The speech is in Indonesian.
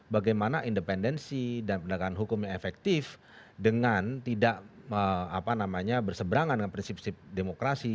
bagaimana independensi dan pendekatan hukum yang efektif dengan tidak berseberangan dengan prinsip prinsip demokrasi